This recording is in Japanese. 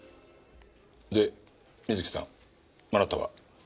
で瑞希さんあなたは？